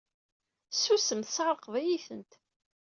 Ssusem, tessɛerqeḍ-iyi-tent!